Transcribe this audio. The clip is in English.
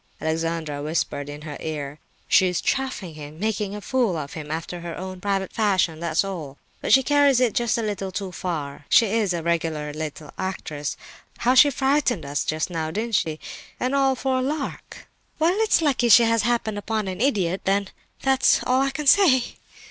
Alexandra whispered in her ear. "She is chaffing him—making a fool of him, after her own private fashion, that's all! But she carries it just a little too far—she is a regular little actress. How she frightened us just now—didn't she?—and all for a lark!" "Well, it's lucky she has happened upon an idiot, then, that's all I can say!"